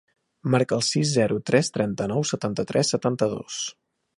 Marca el sis, zero, tres, trenta-nou, setanta-tres, setanta-dos.